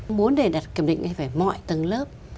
muốn để đạt kiểm định thì phải mọi tầng lớp